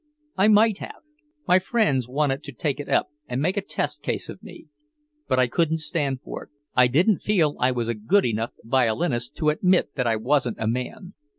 "I might have. My friends wanted to take it up and make a test case of me. But I couldn't stand for it. I didn't feel I was a good enough violinist to admit that I wasn't a man.